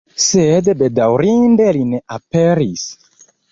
Sed bedaŭrinde li ne aperis.